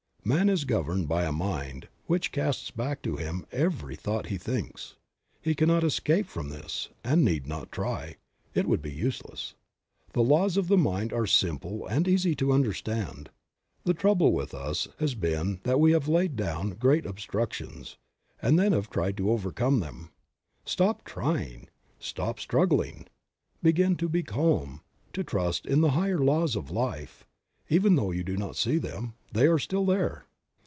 Man is governed by a mind which casts back to him every thought he thinks; he cannot escape from this and need not try; it would be useless. The laws of mind are simple and easy to understand. The trouble with us has been that we have laid down great obstructions, and then have tried to overcome them. Stop trying, stop struggling, begin to be calm, to trust in the higher laws of life, even though you do not see them; they are still there.